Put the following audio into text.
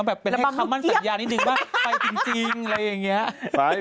แบบเป็นให้คำมั่นสัญญานิดนึงว่าไปจริงอะไรอย่างนี้